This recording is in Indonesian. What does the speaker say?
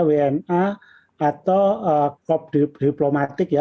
wna atau kop diplomatik ya